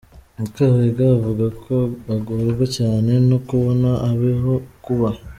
Mukabega avuga ko agorwa cyane no kubona aho kuba.